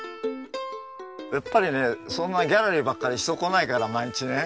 やっぱりねそんなギャラリーばっかり人来ないから毎日ね。